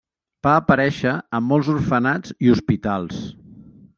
Va aparèixer en molts orfenats i hospitals.